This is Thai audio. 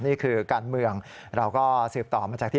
นี่คือการเมืองเราก็สืบต่อมาจากที่